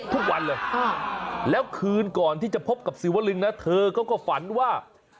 ทุกวันเลยแล้วคืนก่อนที่จะพบกับสิวรึงนะเธอเขาก็ฝันว่า